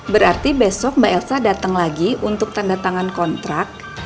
berarti besok mbak elsa datang lagi untuk tanda tangan kontrak